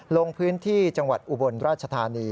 ลงพื้นที่จังหวัดอุบลราชธานี